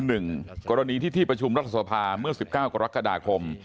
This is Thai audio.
หนึ่งกรณีที่ที่ประชุมรัฐสภาเมื่อ๑๙กรกฎาคม